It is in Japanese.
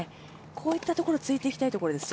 こういったところ突いていきたいところです